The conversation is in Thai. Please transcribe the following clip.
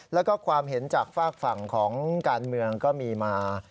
แล้วก็ความเห็นจากฝากฝั่งของการเมืองก็มีมา